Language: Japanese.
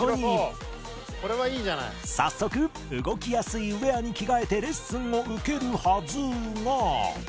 早速動きやすいウェアに着替えてレッスンを受けるはずが